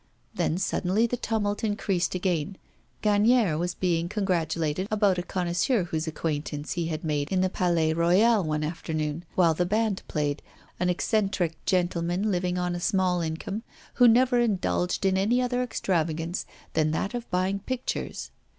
Then suddenly the tumult increased again; Gagnière was being congratulated about a connoisseur whose acquaintance he had made in the Palais Royal one afternoon, while the band played, an eccentric gentleman living on a small income, who never indulged in any other extravagance than that of buying pictures.